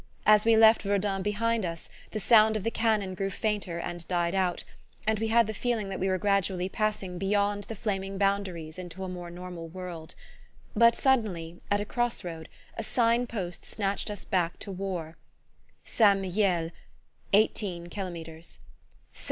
As we left Verdun behind us the sound of the cannon grew fainter and died out, and we had the feeling that we were gradually passing beyond the flaming boundaries into a more normal world; but suddenly, at a cross road, a sign post snatched us back to war: St. Mihiel, 18 Kilometres. St.